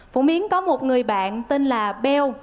phụ miến có một người bạn tên là beo